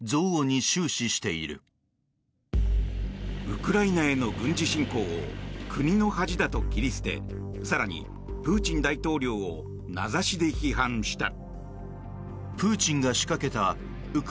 ウクライナへの軍事侵攻を国の恥だと切り捨て更に、プーチン大統領を名指しで批判した。